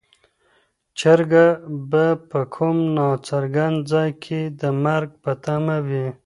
چرګه به په کوم ناڅرګند ځای کې د مرګ په تمه وي.